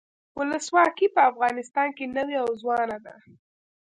ولسواکي په افغانستان کې نوي او ځوانه ده.